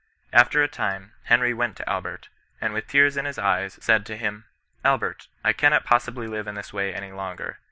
After a ti^ne, Henry went to Albert, and with tears in his eyes, said to him, ^ Albert, I cannot possibly live in this way any longer.